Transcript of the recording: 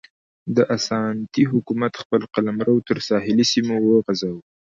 د اسانتي حکومت خپل قلمرو تر ساحلي سیمو پورې وغځاوه.